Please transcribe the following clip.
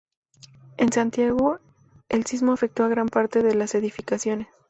En Santiago, el sismo afectó a gran parte de las edificaciones.